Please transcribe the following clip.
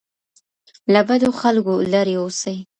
له بدو خلګو لري اوسئ.